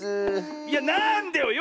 いやなんでよ